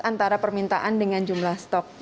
antara permintaan dengan jumlah stok